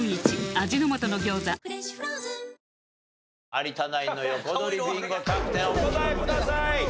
有田ナインの横取りビンゴキャプテンお答えください。